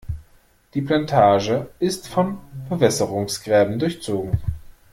Die Plantage ist von Bewässerungsgräben durchzogen.